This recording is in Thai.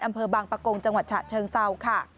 อำเภอบางปะโกงจังหวัดฉะเชิงเซาค่ะ